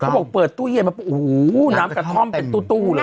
บอกเปิดตู้เย็นมาโอ้โหน้ำกระท่อมเป็นตู้เลย